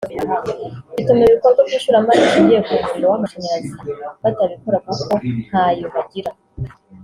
bituma ibikorwa by’ishoramari rishingiye ku muriro w’amashanyarazi batabikora kuko ntayo bagira